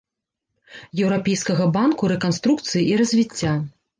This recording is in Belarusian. Еўрапейскага банку рэканструкцыі і развіцця.